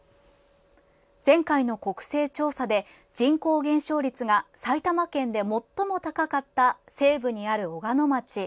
前回の国勢調査で人口減少率が埼玉県で最も高かった西部にある小鹿野町。